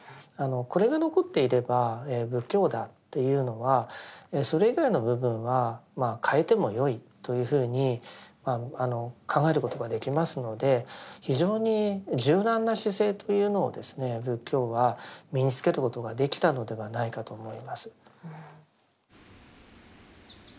これが残っていれば仏教だというのはそれ以外の部分はまあ変えてもよいというふうに考えることができますので非常に柔軟な姿勢というのを仏教は身につけることができたのではないかと思います。